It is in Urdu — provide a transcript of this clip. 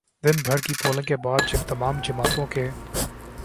دن بھر کی پولنگ کے بعد جب تمام جماعتوں کے